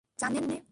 জানেন না মানে?